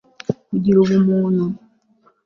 kugira ubumuntu